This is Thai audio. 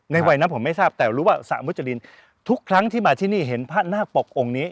วัยนั้นผมไม่ทราบแต่รู้ว่าสระมุจรินทุกครั้งที่มาที่นี่เห็นพระนาคปกองค์นี้